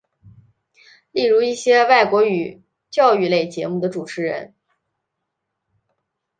例如一些外国语教育类节目的主持人。